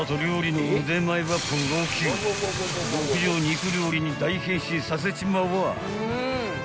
［極上肉料理に大変身させちまわぁ］